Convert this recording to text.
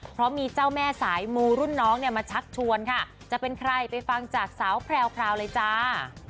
เพราะมีเจ้าแม่สายมูรุ่นน้องเนี่ยมาชักชวนค่ะจะเป็นใครไปฟังจากสาวแพรวเลยจ้า